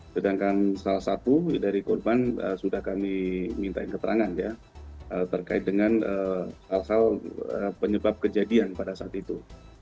sedangkan salah satu dari korban sudah kami minta keterangan ya terkait dengan hal hal penyebab kejadian pada saat itu